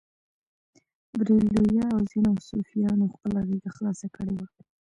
بریلویه او ځینو صوفیانو خپله غېږه خلاصه کړې وه.